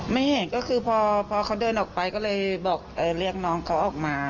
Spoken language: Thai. ไม่เห็นก็คือพอเขาเดินออกไปก็เลยบอกเรียกน้องเขาออกมา